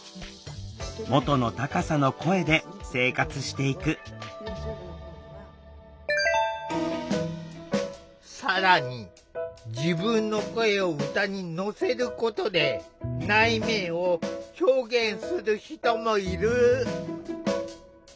元の高さの声で生活していく更に自分の声を歌に乗せることで内面を表現する人もいる。